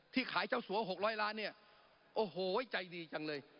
ขายเจ้าสัว๖๐๐ล้านเนี่ยโอ้โหใจดีจังเลย